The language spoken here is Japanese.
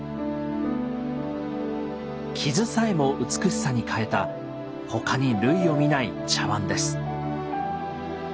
傷さえも美しさに変えた他に類を見ない茶碗です。